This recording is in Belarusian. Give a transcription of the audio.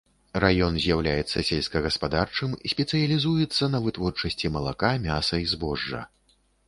Раён з'яўляецца сельскагаспадарчым, спецыялізуецца на вытворчасці малака, мяса і збожжа.